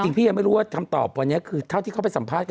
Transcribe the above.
จริงพี่คิดไม่รู้ว่าคำตอบวันนี้คือเท่าที่เข้าไปสัมภัยกัน